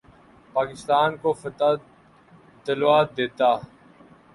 پاکستان کو فتح دلوا دیتا